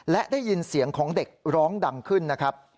และได้ยินเสียงของเด็กร้องดังขึ้นนะครับ